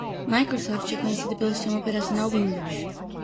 Microsoft é conhecida pelo sistema operacional Windows.